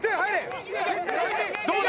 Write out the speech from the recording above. どうだ？